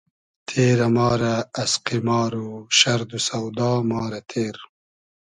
تېرۂ ما رۂ از قیمار و شئرد و سۆدا ما رۂ تیر